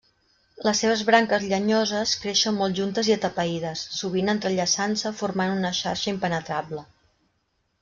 Les seves branques llenyoses creixen molt juntes i atapeïdes, sovint entrellaçant-se formant una xarxa impenetrable.